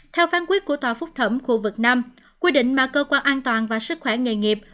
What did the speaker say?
theo phán quyết của tòa phúc thẩm khu vực năm quy định mà cơ quan an toàn và sức khỏe nghề nghiệp